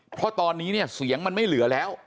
เพราะตอนนี้เนี่ยเสียงมันไม่เหลือแล้ว